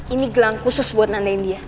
ini gelang khusus buat nandain dia